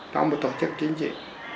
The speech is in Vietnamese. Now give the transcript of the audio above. trong một tổ chức chính trị